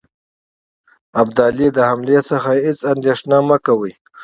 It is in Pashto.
ابدالي د حملې څخه هیڅ اندېښنه مه کوی.